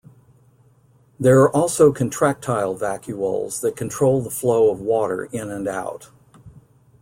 There are also contractile vacuoles that control the flow of water in and out.